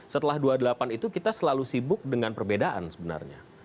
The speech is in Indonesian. setelah dua puluh delapan itu kita selalu sibuk dengan perbedaan sebenarnya